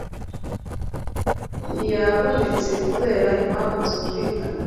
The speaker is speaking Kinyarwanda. ntiyabonetse kubera impamvu zumvikana